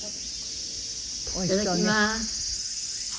「いただきまーす」